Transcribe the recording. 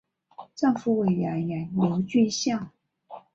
丈夫为演员刘俊相。